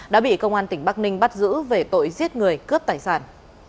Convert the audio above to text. đã bị công an tỉnh bắc ninh bắt giữ về tội giết người cướp tài sản